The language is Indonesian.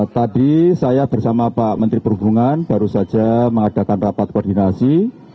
tadi saya bersama pak menteri perhubungan baru saja mengadakan rapat koordinasi